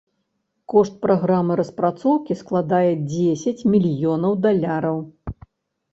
Кошт праграмы распрацоўкі складае дзесяць мільёнаў даляраў.